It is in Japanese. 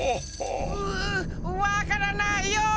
うわからないよ。